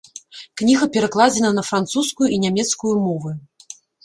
Кніга перакладзена на французскую і нямецкую мовы.